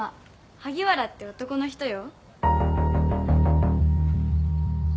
萩原って男の人よ。